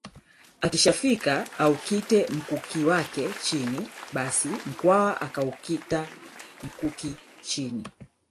Akishafika aukite mkuki wake chini basi Mkwawa akaukita mkuki chini